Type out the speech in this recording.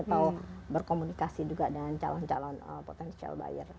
atau berkomunikasi juga dengan calon calon potensial buyer